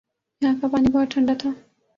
یہاں کا پانی بہت ٹھنڈا تھا ۔